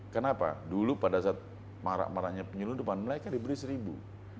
kenapa dulu pada saat marak maraknya penyelundupan mereka diberi seribu